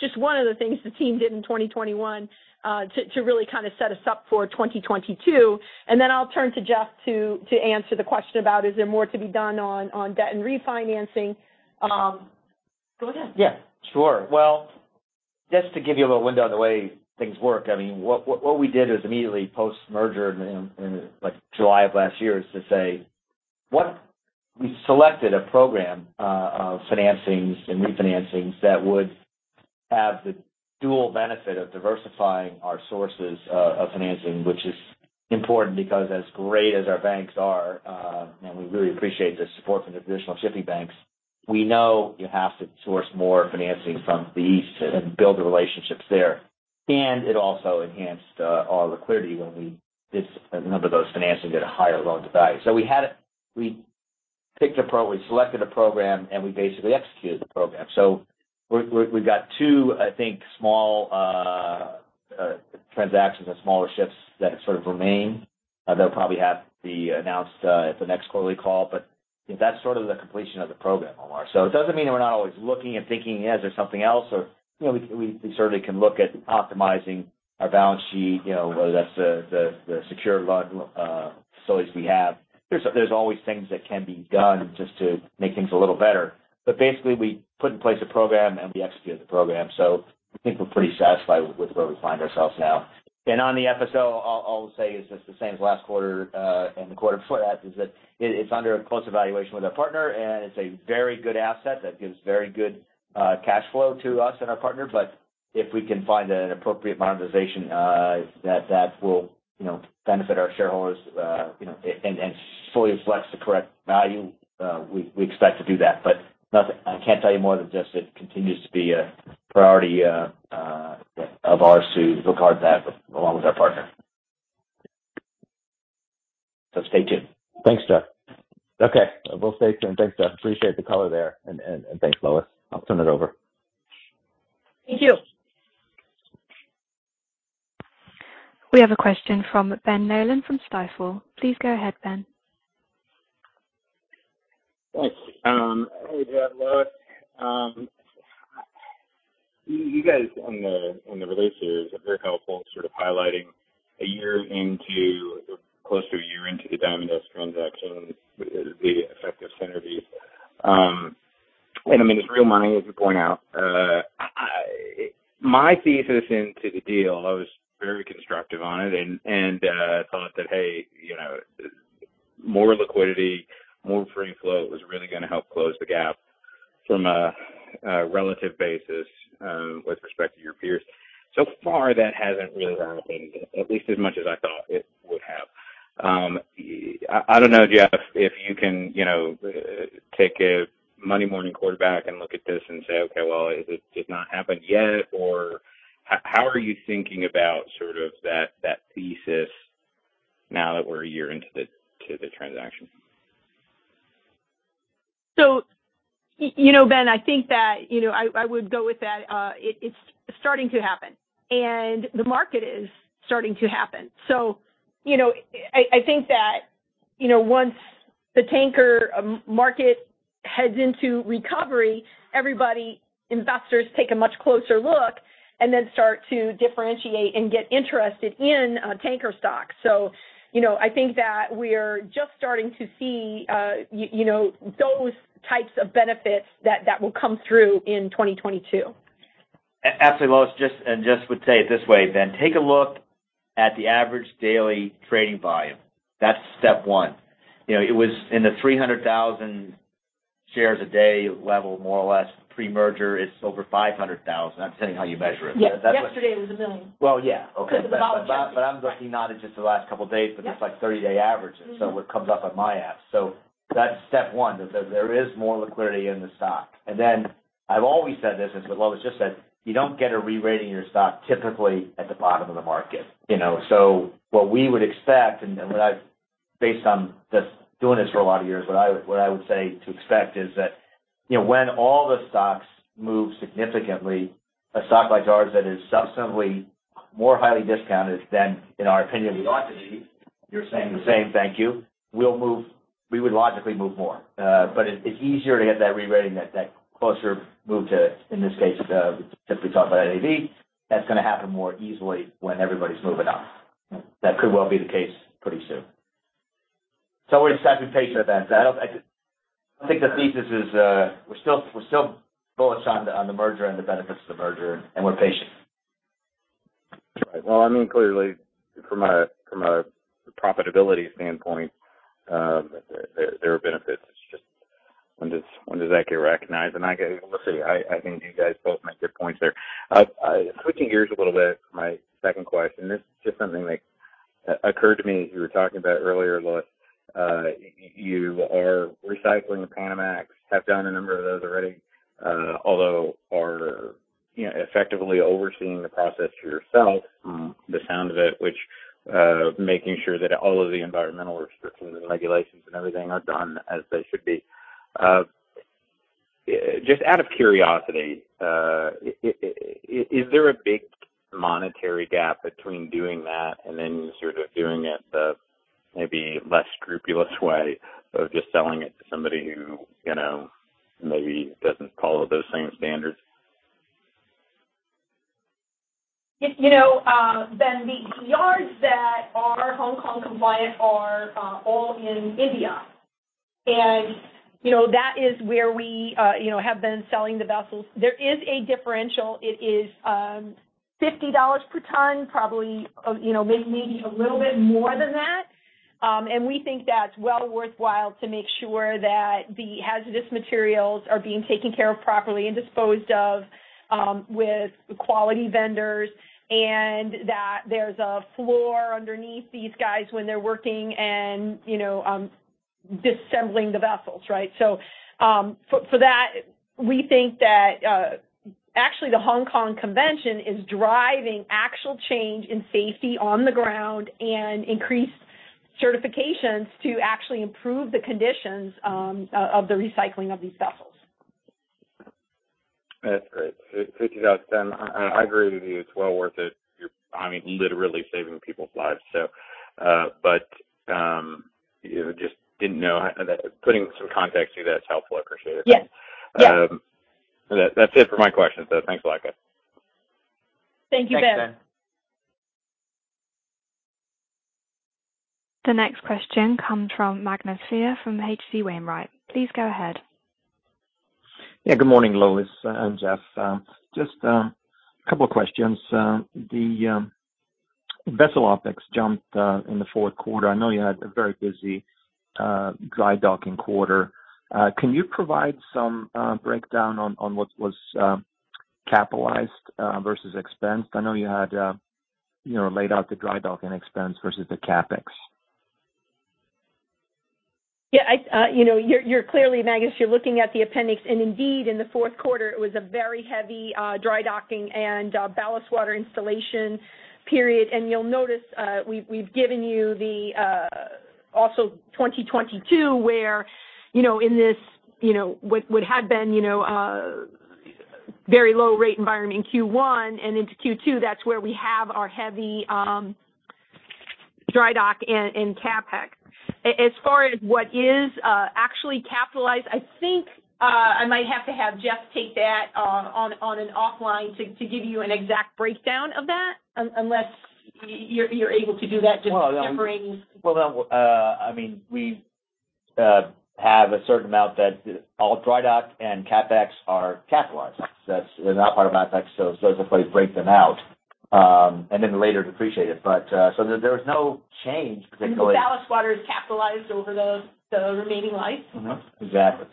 just one of the things the team did in 2021 to really kind of set us up for 2022. Then I'll turn to Jeff to answer the question about, is there more to be done on debt and refinancing. Go ahead. Yeah, sure. Well, just to give you a little window on the way things work. I mean, what we did is immediately post-merger in like July of last year to say what we selected a program of financings and refinancing's that would have the dual benefit of diversifying our sources of financing, which is important because as great as our banks are and we really appreciate the support from the traditional shipping banks, we know you have to source more financing from the East and build the relationships there. It also enhanced our liquidity when we did a number of those financings at a higher loan to value. We selected a program, and we basically executed the program. We're— We've got two, I think, small transactions and smaller ships that sort of remain. They'll probably be announced at the next quarterly call. That's sort of the completion of the program, Omar. It doesn't mean that we're not always looking and thinking, "Yeah, is there something else?" Or, you know, we certainly can look at optimizing our balance sheet, you know, whether that's the secured loan facilities we have. There's always things that can be done just to make things a little better. Basically, we put in place a program, and we executed the program, so I think we're pretty satisfied with where we find ourselves now. On the FSO, all I'll say is it's the same as last quarter and the quarter before that, is that it's under close evaluation with our partner, and it's a very good asset that gives very good cash flow to us and our partner. But if we can find an appropriate monetization, that will, you know, benefit our shareholders, you know, and fully reflects the correct value, we expect to do that. But nothing. I can't tell you more than just it continues to be a priority of ours to look hard at that along with our partner. Stay tuned. Thanks, Jeff. Okay. We'll stay tuned. Thanks, Jeff. Appreciate the color there. Thanks, Lois. I'll turn it over. Thank you. We have a question from Ben Nolan from Stifel. Please go ahead, Ben. Thanks. Hey, Jeff and Lois. You guys on the release here were very helpful in sort of highlighting a year into or close to a year into the Diamond S transaction, the effective synergy. I mean, it's real money, as you point out. My thesis into the deal, I was very constructive on it and thought that, hey, you know, more liquidity, more free flow was really gonna help close the gap from a relative basis with respect to your peers. So far, that hasn't really happened, at least as much as I thought it would have. I don't know, Jeff, if you can, you know, take a Monday morning quarterback and look at this and say, okay, well, it did not happen yet or how are you thinking about sort of that thesis now that we're a year into the transaction? You know, Ben, I think that, you know, I would go with that. It's starting to happen, and the market is starting to happen. You know, I think that, you know, once the tanker market heads into recovery, everybody, investors take a much closer look and then start to differentiate and get interested in tanker stocks. You know, I think that we're just starting to see, you know, those types of benefits that will come through in 2022. Absolutely, Lois. Just would say it this way, Ben. Take a look at the average daily trading volume. That's step one. You know, it was in the 300,000 shares a day level more or less pre-merger. It's over 500,000, depending on how you measure it. Yes. Yesterday it was $1 million. Well, yeah. Okay. Because of the. I'm looking not at just the last couple of days. Yep. Just, like, 30-day averages. Mm-hmm. What comes up on my apps. That's step one, there is more liquidity in the stock. I've always said this, as what Lois just said, you don't get a re-rating your stock typically at the bottom of the market, you know. What we would expect based on just doing this for a lot of years, what I would say to expect is that, you know, when all the stocks move significantly, a stock like ours that is substantially more highly discounted than in our opinion it ought to be, you're saying the same, thank you. We would logically move more. But it's easier to get that re-rating, that closer move to, in this case, since we talk about NAV, that's gonna happen more easily when everybody's moving up. That could well be the case pretty soon. We're patient with that. I think the thesis is, we're still bullish on the merger and the benefits of the merger, and we're patient. That's right. Well, I mean, clearly from a profitability standpoint, there are benefits. It's just when does that get recognized? I get it. Listen, I think you guys both make good points there. Switching gears a little bit, my second question, this is just something that occurred to me as you were talking about earlier, Lois. You are recycling the Panamax, have done a number of those already, although you are, you know, effectively overseeing the process yourself, from the sound of it, which making sure that all of the environmental restrictions and regulations and everything are done as they should be. Just out of curiosity, is there a big monetary gap between doing that and then sort of doing it the maybe less scrupulous way of just selling it to somebody who, you know, maybe doesn't follow those same standards? You know, Ben, the yards that are Hong Kong compliant are all in India. You know, that is where we have been selling the vessels. There is a differential. It is $50 per ton, probably, you know, maybe a little bit more than that. We think that's well worthwhile to make sure that the hazardous materials are being taken care of properly and disposed of with quality vendors, and that there's a floor underneath these guys when they're working and, you know, disassembling the vessels, right? For that, we think that actually the Hong Kong Convention is driving actual change in safety on the ground and increased certifications to actually improve the conditions of the recycling of these vessels. That's great. Switch gears then. I agree with you. It's well worth it. You're, I mean, literally saving people's lives. But, you know, just didn't know. Putting some context to that's helpful. I appreciate it. Yes. Yeah. That's it for my questions, though. Thanks a lot, guys. Thank you, Ben. Thanks, Ben. The next question comes from Magnus Fyhr from H.C. Wainwright. Please go ahead. Yeah. Good morning, Lois and Jeff. Just a couple of questions. The vessel OpEx jumped in the fourth quarter. I know you had a very busy dry docking quarter. Can you provide some breakdown on what was capitalized versus expensed? I know you had you know laid out the dry docking expense versus the CapEx. Yeah, I, you know, you're clearly, Magnus, looking at the appendix, and indeed, in the fourth quarter, it was a very heavy dry docking and ballast water installation period. You'll notice, we've given you the also 2022, where, you know, in this, you know, what had been, you know, very low rate environment in Q1 and into Q2, that's where we have our heavy dry dock and CapEx. As far as what is actually capitalized, I think, I might have to have Jeff take that on an offline to give you an exact breakdown of that unless you're able to do that just remembering. Well, no, I mean, we have a certain amount that all dry dock and CapEx are capitalized. That's, they're not part of OpEx, so I'll simply break them out, and then later depreciate it. There was no change particularly. The ballast water is capitalized over those, the remaining life. Mm-hmm. Exactly.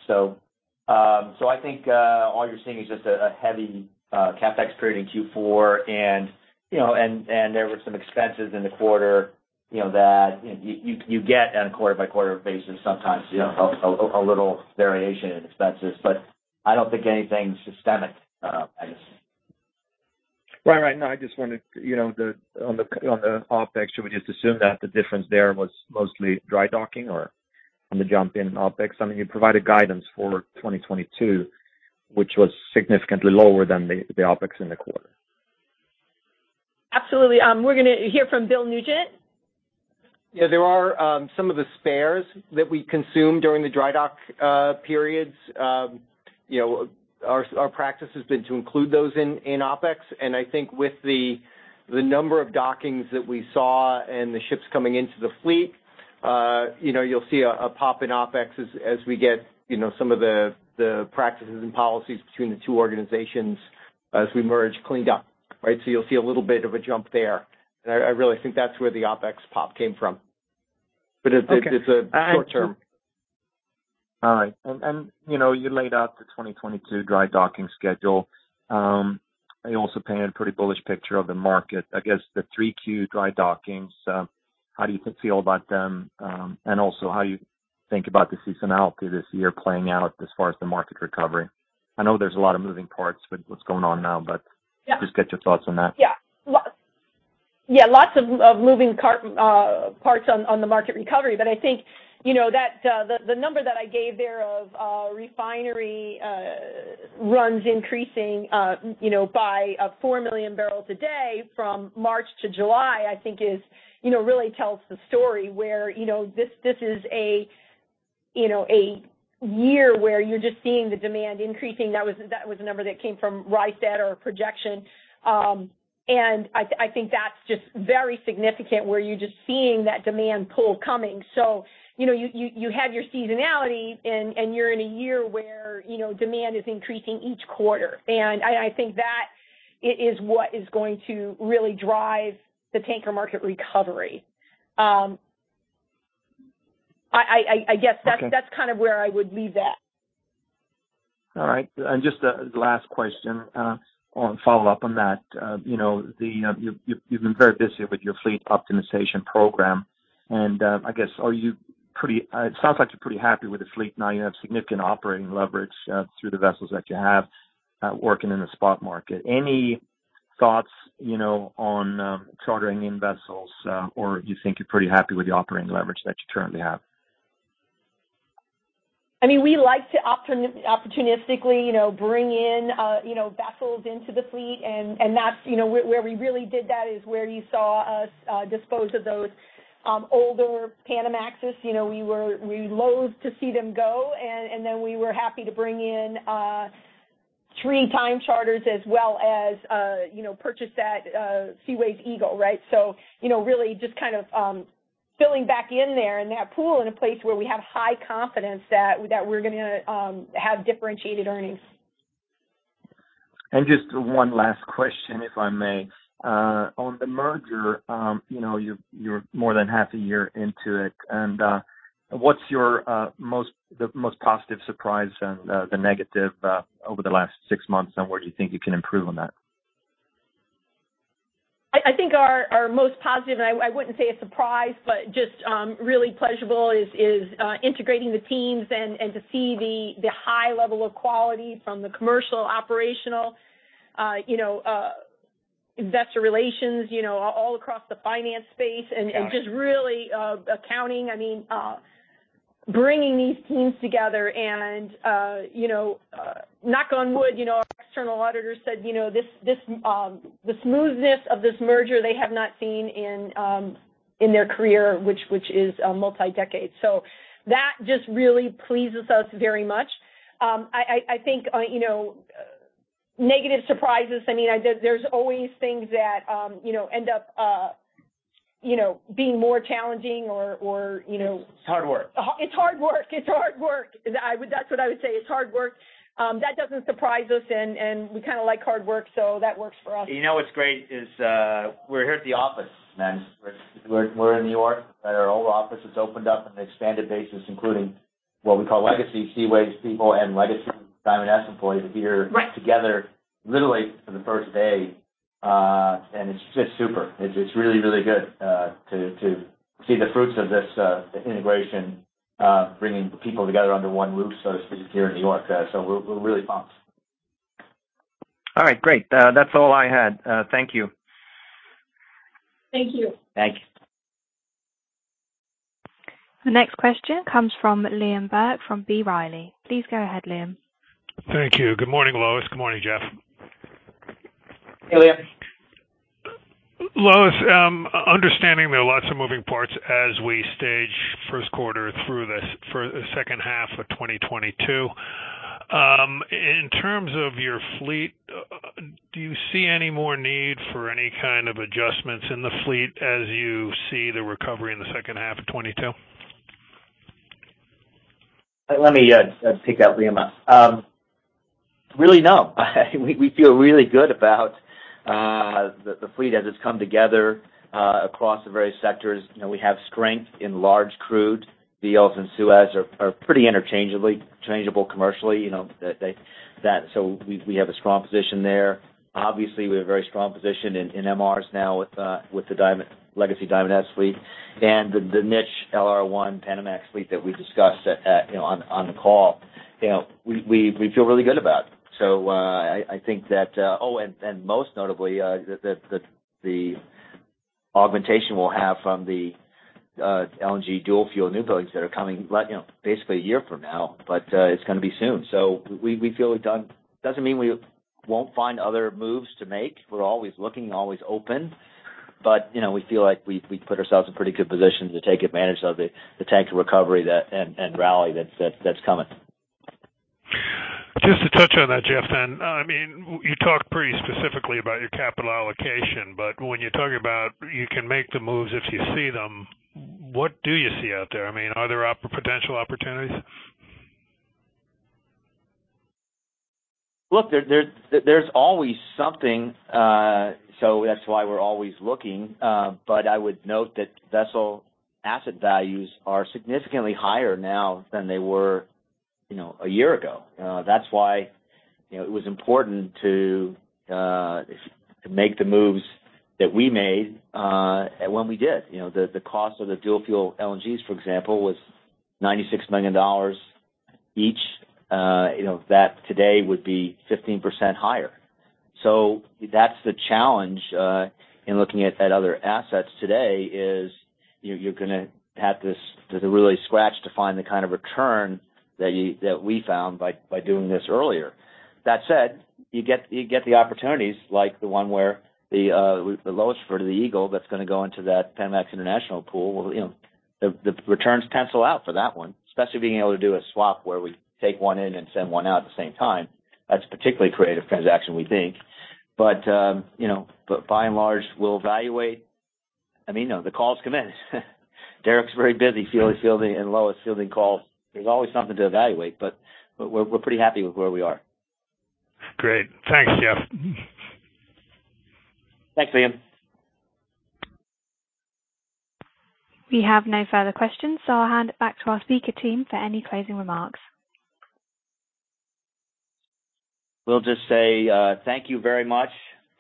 I think all you're seeing is just a heavy CapEx period in Q4 and, you know, there were some expenses in the quarter, you know, that you get on a quarter by quarter basis sometimes, you know, a little variation in expenses. But I don't think anything systemic, Magnus. Right. No, I just wanted, you know, on the OpEx, should we just assume that the difference there was mostly dry docking or on the jump in OpEx? I mean, you provided guidance for 2022, which was significantly lower than the OpEx in the quarter. Absolutely. We're gonna hear from Bill Nugent. Yeah. There are some of the spares that we consume during the dry dock periods. You know, our practice has been to include those in OpEx, and I think with the number of dockings that we saw and the ships coming into the fleet, you know, you'll see a pop in OpEx as we get some of the practices and policies between the two organizations as we merge cleaned up, right? So you'll see a little bit of a jump there. I really think that's where the OpEx pop came from. Okay. It's a short term. All right. You know, you laid out the 2022 dry docking schedule. You also painted a pretty bullish picture of the market. I guess the 3Q dry dockings, how do you feel about them, and also how you think about the seasonality this year playing out as far as the market recovery? I know there's a lot of moving parts with what's going on now, but— Yeah. Just get your thoughts on that. Yeah. Yeah, lots of moving parts on the market recovery. But I think, you know, that the number that I gave there of refinery runs increasing, you know, by 4 million barrels a day from March to July, I think is, you know, really tells the story where, you know, this is a year where you're just seeing the demand increasing. That was a number that came from Rystad or a projection. And I think that's just very significant where you're just seeing that demand pull coming. So, you know, you have your seasonality and you're in a year where, you know, demand is increasing each quarter. I think that is what is going to really drive the tanker market recovery. I guess that's— Okay. That's kind of where I would leave that. All right. Just the last question on follow-up on that. You know, you've been very busy with your fleet optimization program, and I guess it sounds like you're pretty happy with the fleet now. You have significant operating leverage through the vessels that you have working in the spot market. Any thoughts, you know, on chartering in vessels, or you think you're pretty happy with the operating leverage that you currently have? I mean, we like to opportunistically, you know, bring in, you know, vessels into the fleet and that's, you know, where we really did that is where you saw us dispose of those older Panamax. You know, we loathed to see them go, and then we were happy to bring in three time charters as well as, you know, purchase that Seaways Eagle, right? You know, really just kind of filling back in there in that pool in a place where we have high confidence that we're gonna have differentiated earnings. Just one last question, if I may. On the merger, you know, you're more than half a year into it. What's the most positive surprise and the negative over the last six months, and where do you think you can improve on that? I think our most positive, and I wouldn't say a surprise, but just really pleasurable is integrating the teams and to see the high level of quality from the commercial operational, you know, investor relations, you know, all across the finance space and just really accounting. I mean, bringing these teams together and you know, knock on wood, you know, our external auditors said, you know, this the smoothness of this merger they have not seen in their career which is multi-decade. So that just really pleases us very much. I think you know, negative surprises, I mean, there's always things that you know, end up. You know, being more challenging or, you know. It's hard work. It's hard work. That's what I would say. It's hard work. That doesn't surprise us and we kind of like hard work, so that works for us. You know what's great is, we're here at the office, and we're in New York, and our old office has opened up on an expanded basis, including what we call legacy Seaways people and legacy Diamond S employees here. Right. Together literally for the first day. It's just super. It's really good to see the fruits of this integration bringing people together under one roof, so it's here in New York. We're really pumped. All right. Great. That's all I had. Thank you. Thank you. Thank you. The next question comes from Liam Burke from B. Riley. Please go ahead, Liam. Thank you. Good morning, Lois. Good morning, Jeff. Hey, Liam. Lois, understanding there are lots of moving parts as we stage first quarter through this for the second half of 2022. In terms of your fleet, do you see any more need for any kind of adjustments in the fleet as you see the recovery in the second half of 2022? Let me take that, Liam. Really, no. We feel really good about the fleet as it's come together across the various sectors. You know, we have strength in large crude. VLCCs and Suezmax are pretty interchangeable commercially, you know, they. So we have a strong position there. Obviously, we have a very strong position in MRs now with the Diamond, legacy Diamond S fleet and the niche LR1 Panamax fleet that we discussed, you know, on the call. You know, we feel really good about. So I think that. Oh, and most notably, the augmentation we'll have from the LNG dual fuel newbuilds that are coming, like, you know, basically a year from now, but it's gonna be soon. We feel we've done. Doesn't mean we won't find other moves to make. We're always looking, always open. You know, we feel like we put ourselves in pretty good position to take advantage of the tanker recovery that and rally that's coming. Just to touch on that, Jeff, then. I mean, you talked pretty specifically about your capital allocation, but when you talk about you can make the moves if you see them, what do you see out there? I mean, are there potential opportunities? Look, there's always something, so that's why we're always looking. I would note that vessel asset values are significantly higher now than they were, you know, a year ago. That's why, you know, it was important to make the moves that we made, when we did. You know, the cost of the dual fuel LNGs, for example, was $96 million each. You know, that today would be 15% higher. So that's the challenge in looking at those other assets today is you're gonna have to to really scratch to find the kind of return that we found by doing this earlier. That said, you get the opportunities like the one with the lowest part of the Eagle that's gonna go into that Panamax International pool. Well, you know, the returns pencil out for that one, especially being able to do a swap where we take one in and send one out at the same time. That's particularly creative transaction, we think. You know, but by and large, we'll evaluate. I mean, you know, the calls come in. Derek's very busy fielding and Lois fielding calls. There's always something to evaluate, but we're pretty happy with where we are. Great. Thanks, Jeff. Thanks, Liam. We have no further questions, so I'll hand it back to our speaker team for any closing remarks. We'll just say thank you very much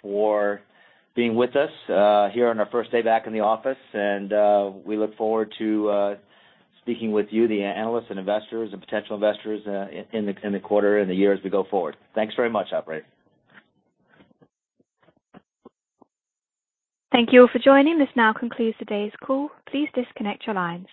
for being with us here on our first day back in the office. We look forward to speaking with you, the analysts and investors and potential investors, in the quarter and the years to go forward. Thanks very much, operator. Thank you all for joining. This now concludes today's call. Please disconnect your lines.